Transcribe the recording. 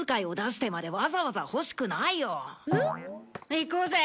行こうぜ。